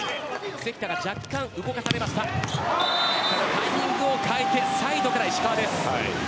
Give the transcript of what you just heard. タイミングを変えてサイドから石川です。